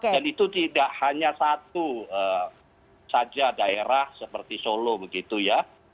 dan itu tidak hanya satu saja daerah seperti solo begitu ya